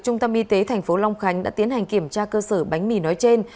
trung tâm y tế tp long khánh đã tiến hành kiểm tra cơ sở bánh mì nói trên